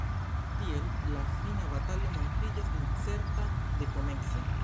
Tiel la fina batalo montriĝas necerta dekomence,